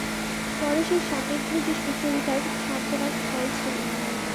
পরেশের সান্নিধ্যই যে সুচরিতার সান্ত্বনার স্থল ছিল।